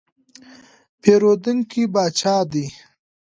پیرودونکی پاچا دی.